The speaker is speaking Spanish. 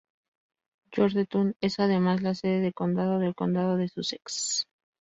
Georgetown es además la sede de condado del condado de Sussex.